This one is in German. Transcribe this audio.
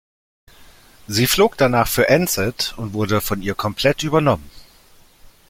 Sie flog danach für Ansett und wurde von ihr komplett übernommen.